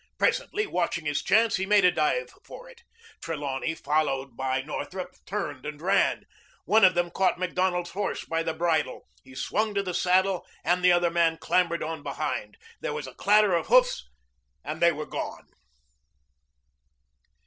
Presently, watching his chance, he made a dive for it. Trelawney, followed by Northrup, turned and ran. One of them caught Macdonald's horse by the bridle. He swung to the saddle and the other man clambered on behind. There was a clatter of hoofs and they were gone.